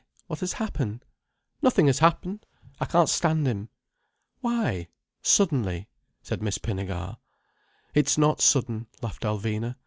What has happened?" "Nothing has happened. I can't stand him." "Why?—suddenly—" said Miss Pinnegar. "It's not sudden," laughed Alvina.